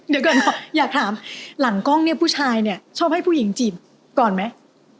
เดี๋ยวก่อนอยากถามหลังกล้องเนี่ยผู้ชายเนี่ยชอบให้ผู้หญิงจีบก่อนไหม